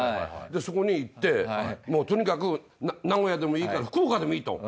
そこに行ってとにかく名古屋でもいいから福岡でもいいと。